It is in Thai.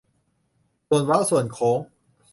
ส่วนเว้าส่วนโค้ง